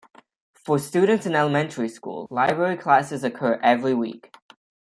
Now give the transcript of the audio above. For students in elementary school, library classes occur every week.